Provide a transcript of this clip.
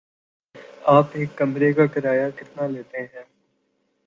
آپ ایک کمرے کا کرایہ کتنا لیتے ہیں؟